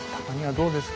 どうですか？